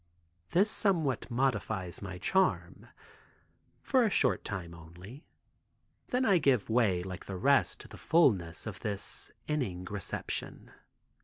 This somewhat modifies my charm—for a short time only, then I give way like the rest to the fulness of this Inning Reception.